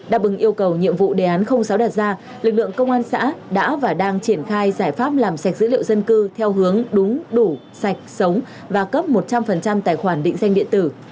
đáp ứng yêu cầu nhiệm vụ đề án sáu đặt ra lực lượng công an xã đã và đang triển khai giải pháp làm sạch dữ liệu dân cư theo hướng đúng đủ sạch sống và cấp một trăm linh tài khoản định danh điện tử